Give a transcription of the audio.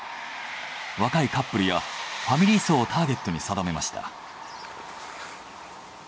若いカップルやファミリー層をターゲットに定めました。